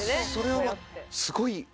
それはすごい。